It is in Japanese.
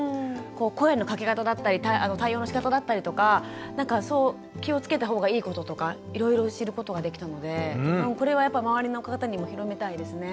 声のかけ方だったり対応のしかただったりとかなんかそう気をつけた方がいいこととかいろいろ知ることができたのでこれはやっぱ周りの方にも広めたいですね。